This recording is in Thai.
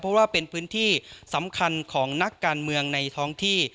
เพราะว่าเป็นพื้นที่สำคัญของนักการเมืองในท้องที่